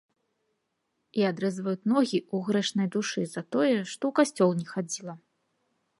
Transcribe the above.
І адрэзваюць ногі ў грэшнай душы за тое, што ў касцёл не хадзіла.